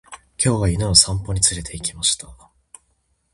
今日は犬を散歩に連れて行きました。